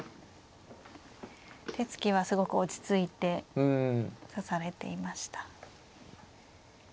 手つきはすごく落ち着いて指されていました。